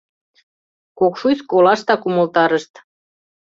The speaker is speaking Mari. Кокшуйск олаштак умылтарышт.